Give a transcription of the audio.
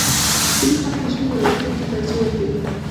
• ځینې خلک د شپې یواځیتوب ته ترجیح ورکوي.